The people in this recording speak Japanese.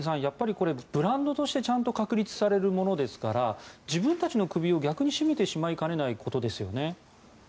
やっぱりブランドとしてちゃんと確立されるものですから自分たちの首を逆に絞めてしまいかねないことですよね。